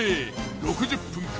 ６０分か？